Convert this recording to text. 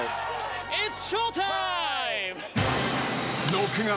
６月。